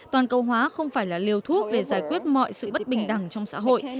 toàn cầu hóa không phải là liều thuốc để giải quyết mọi sự bất bình đẳng trong xã hội